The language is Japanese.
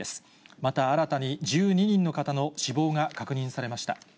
また新たに１２人の方の死亡が確認されました。